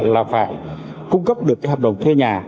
là phải cung cấp được hợp đồng thuê nhà